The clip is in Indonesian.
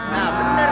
nah bener bang